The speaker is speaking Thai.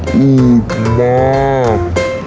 อืมมาก